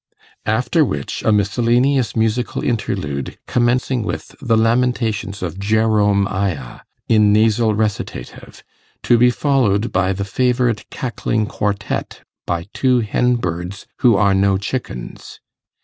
After which A miscellaneous Musical Interlude, commencing with The Lamentations of Jerom iah! In nasal recitative. To be followed by The favourite Cackling Quartette, by Two Hen birds who are _no chickens!